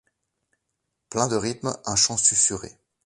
Plein de rythmes, un chant susurré...